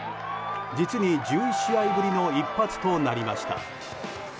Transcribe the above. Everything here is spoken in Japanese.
実に１１試合ぶりの一発となりました。